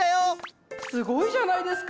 すごいじゃないですか！